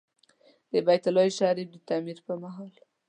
د بیت الله شریف د تعمیر پر مهال.